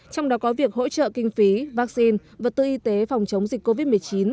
trong đó có việc hỗ trợ kinh phí vaccine vật tư y tế phòng chống dịch covid một mươi chín